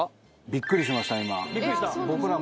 びっくりしました今。